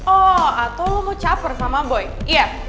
oh atau lo mau caper sama boy iya